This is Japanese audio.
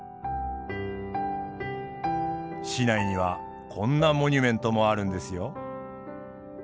市内にはこんなモニュメントもあるんですよ。